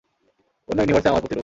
অন্য ইউনিভার্সে আমার প্রতিরূপ।